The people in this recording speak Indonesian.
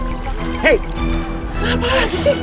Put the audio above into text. apa lagi sih